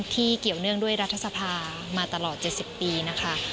เกี่ยวเนื่องด้วยรัฐสภามาตลอด๗๐ปีนะคะ